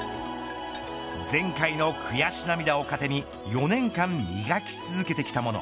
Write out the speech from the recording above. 前回の悔し涙を糧に４年間磨き続けてきたもの。